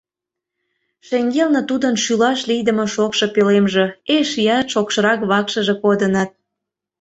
Шеҥгелне тудын шӱлаш лийдыме шокшо пӧлемже, эшеат шокшырак вакшыже кодыныт.